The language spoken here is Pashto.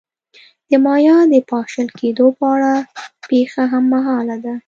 د مایا د پاشل کېدو په اړه پېښه هممهاله ده.